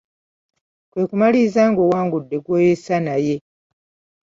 Kwe kumaliriza ng’owangudde gw’oyesa naye.